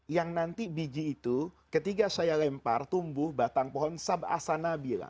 yang nanti biji itu ketika saya lempar tumbuh batang pohon